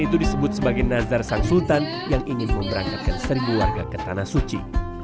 itu disebut sebagai nazar sang sultan yang ingin memberangkatkan seribu warga ke tanah suci